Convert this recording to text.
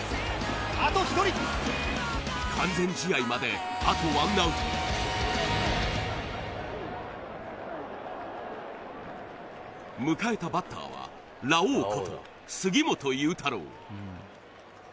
あと１人完全試合まであとワンアウト迎えたバッターはラオウこと杉本裕太郎